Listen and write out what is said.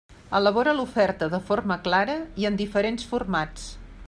Elabora l'oferta de forma clara i en diferents formats.